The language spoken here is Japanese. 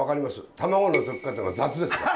卵の溶き方が雑ですから。